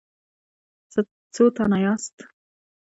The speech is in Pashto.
څو تنه یاست؟